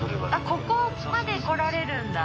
ここまで来られるんだ。